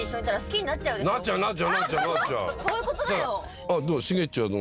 そういうことだよ。